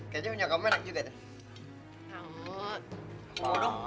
kejunya kamu enak juga